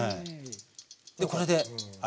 でこれで。